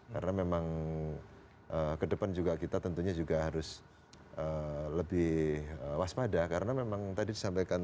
karena memang ke depan juga kita tentunya juga harus lebih waspada karena memang tadi disampaikan